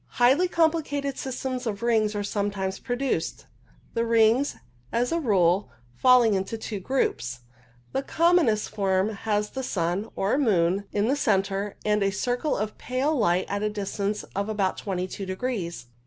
Highly com plicated systems of rings are sometimes produced, the rings, as a rule, falling into two groups. The commonest form has the sun (or moon) in the centre, and a circle of pale light at a distance of about 22 degrees.